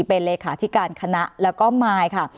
เป็นเลขาธิการคณะแล้วก็มายค่ะ